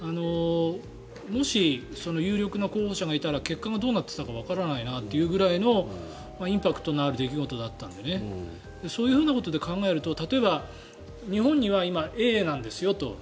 もし、有力な候補者がいたら結果がどうなっていたかわからないなというぐらいのインパクトのある出来事だったのでそういうことで考えると例えば日本には今、Ａなんですよと。